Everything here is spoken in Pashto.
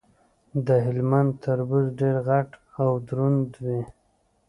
د هلمند تربوز ډیر غټ او دروند وي.